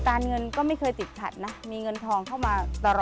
การเงินก็ไม่เคยติดขัดนะมีเงินทองเข้ามาตลอด